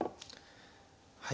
はい。